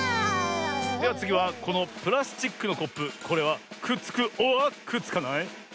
ではつぎはこのプラスチックのコップこれはくっつくｏｒくっつかない？